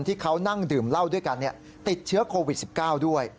ที่เขานั่งดื่มเหล้าด้วยกันติดเชื้อโควิด๑๙ด้วย